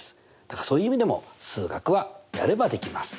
だからそういう意味でも数学はやればできます！